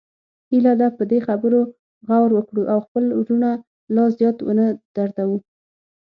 هیله ده په دې خبرو غور وکړو او خپل وروڼه لا زیات ونه دردوو